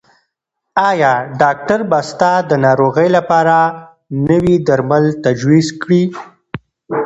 ایا ډاکټر به ستا د ناروغۍ لپاره نوي درمل تجویز کړي؟